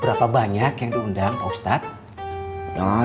berapa banyak yang diundang pak ustadz